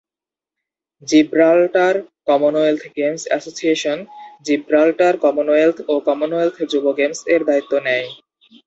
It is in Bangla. Gibraltar Commonwealth Games Association Gibraltar Commonwealth ও কমনওয়েলথ যুব গেমস এর দায়িত্ব নেয়।